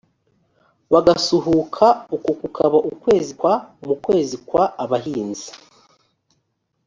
bagasuhuka uko kukaba ukwezi kwa mu kwezi kwa abahinzi